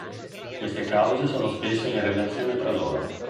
Queste cause sono spesso in relazione tra loro.